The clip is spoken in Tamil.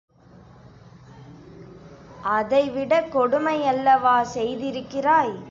அதைவிடக் கொடுமையல்லவா செய்திருக்கிறாய்!